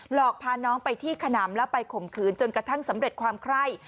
อกพาน้องไปที่ขนำแล้วไปข่มขืนจนกระทั่งสำเร็จความไคร่